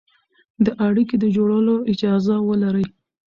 د اړيکې د جوړولو اجازه ولري،